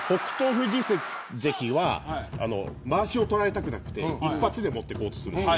富士関はまわしを取られたくなくて一発でもっていこうとするんです。